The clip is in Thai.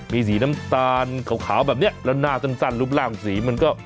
มีสีน้ำตาลขาวแบบนี้แล้วหน้าสั้นรูปร่างสีมันก็